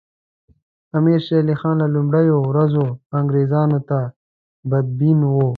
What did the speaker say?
امیر شېر علي خان له لومړیو ورځو انګریزانو ته بدبین وو.